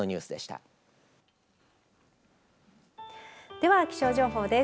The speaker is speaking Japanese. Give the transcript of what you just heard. では気象情報です。